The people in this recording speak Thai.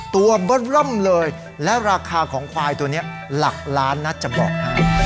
ตัวเบอร์เริ่มเลยและราคาของควายตัวนี้หลักล้านนะจะบอกให้